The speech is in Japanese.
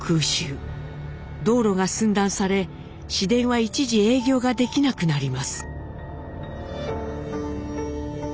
道路が寸断され市電は一時営業ができなくなります。